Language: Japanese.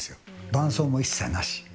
伴走も一切なし。